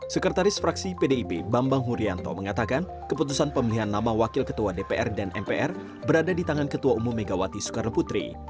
sekretaris fraksi pdip bambang hurianto mengatakan keputusan pemilihan nama wakil ketua dpr dan mpr berada di tangan ketua umum megawati soekarno putri